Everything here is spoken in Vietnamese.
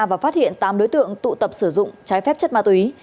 và phát hiện tám đối tượng tụ tập sử dụng trái phép chất ma túy